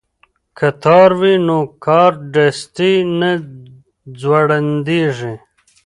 که تار وي نو کارډستي نه ځوړندیږي.